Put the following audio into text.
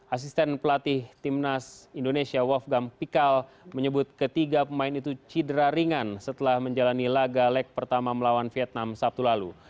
asisten pelatih timnas indonesia wolfgam pikal menyebut ketiga pemain itu cedera ringan setelah menjalani laga leg pertama melawan vietnam sabtu lalu